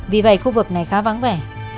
vì vậy khu vực này khá vắng vẻ